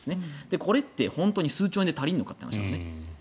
これって本当に数兆円で足りるのかという話なんです。